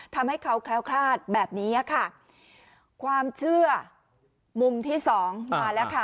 ทำให้เขาแคล้วคลาดแบบนี้ค่ะความเชื่อมุมที่สองมาแล้วค่ะ